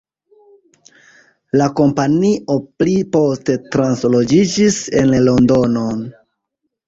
La kompanio pli poste transloĝiĝis en Londonon.